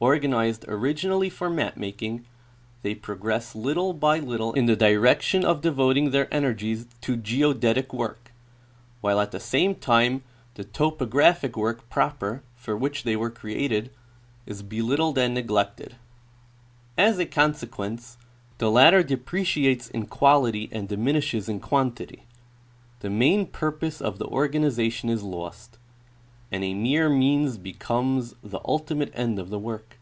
Or ganized originally for map making, they progress little by little in the direction of devoting their energies to geodetic work, while at the same time the topographic work proper, for which they were created, is belittled and neglected. As a consequence the latter depreciates in quality and diminishes in quantity ; the main purpose of the organization is lost, and a mere means becomes the ultimate end of the work.